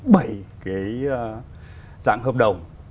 bảy cái dạng hợp đồng